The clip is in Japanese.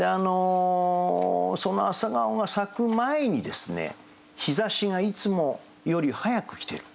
その朝顔が咲く前に日ざしがいつもより早く来てる。